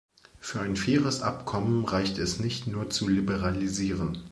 Für ein faires Abkommen reicht es nicht, nur zu liberalisieren.